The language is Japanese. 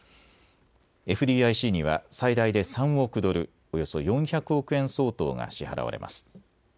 ＦＤＩＣには最大で３億ドル、およそ４００億円相当が支払われます。